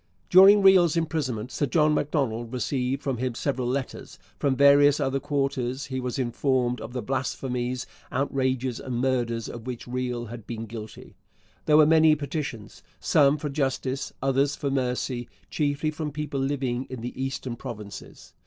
During Riel's imprisonment Sir John Macdonald received from him several letters. From various other quarters he was informed of the blasphemies, outrages, and murders of which Riel had been guilty. There were many petitions, some for justice, others for mercy, chiefly from people living in the eastern provinces.